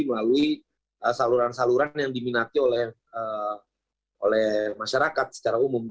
melalui saluran saluran yang diminati oleh masyarakat secara umum